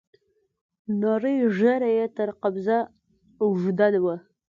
نرۍ ږيره يې تر قبضه اوږده وه.